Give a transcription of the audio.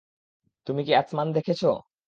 তুমি কি আসমান দেখেছ?